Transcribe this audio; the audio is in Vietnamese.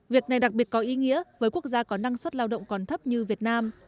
việc này đặc biệt có ý nghĩa với quốc gia có năng suất lao động còn thấp như việt nam